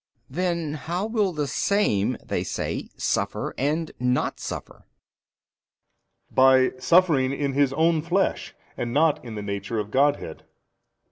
B. Then how will the Same (they say) suffer and not suffer 74? A. By suffering in His own flesh and not in the Nature of Godhead.